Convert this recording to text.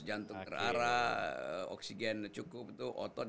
jantung terarah oksigen cukup itu otot